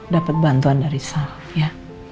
dapat bantuan dari sar ya